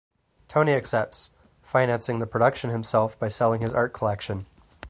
Tony accepts, financing the production himself by selling his art collection.